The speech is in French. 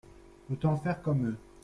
Autant faire comme eux.